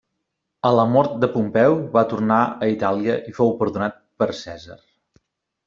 A la mort de Pompeu va tornar a Itàlia i fou perdonat per Cèsar.